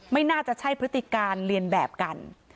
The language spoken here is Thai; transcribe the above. ไม่น่าจะใช่พฤติการเรียนแบบกัน